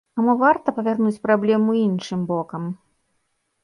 А мо варта павярнуць праблему іншым бокам?